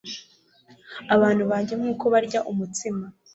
abantu banjye nk uko barya umutsima kandi